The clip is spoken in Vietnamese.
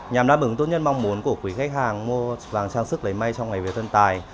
nhằm đáp ứng tốt nhất mong muốn của quý khách hàng mua vàng trang sức lấy may trong ngày việt tân tài